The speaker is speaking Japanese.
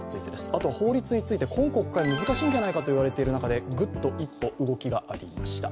あと法律について今国会では難しいのではないかといわれている中でぐっと一歩、動きがありました。